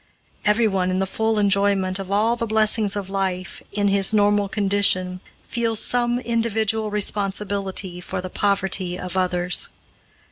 Everyone in the full enjoyment of all the blessings of life, in his normal condition, feels some individual responsibility for the poverty of others.